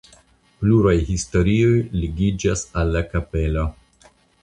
Pluraj historioj ligiĝas al la kapelo.